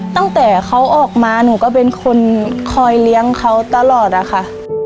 ตั้งแต่เขาออกมาหนูก็เป็นคนคอยเลี้ยงเขาตลอดอะค่ะ